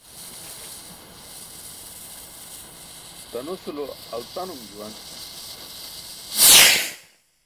Tanosulo altanum juwan.